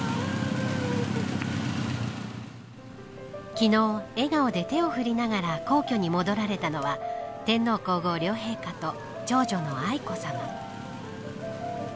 昨日、笑顔で手を振りながら皇居に戻られたのは天皇皇后両陛下と長女の愛子さま。